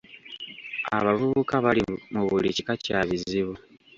Abavubuka bali mu buli kika kya bizibu.